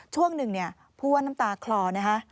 ช่วงหนึ่งพูดว่าน้ำตาคลอนะคะ